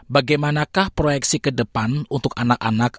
bagaimanakah proyeksi ke depan untuk anak anak